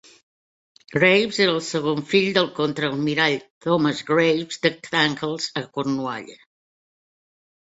Graves era el segon fill del contraalmirall Thomas Graves de Thanckes, a Cornualla.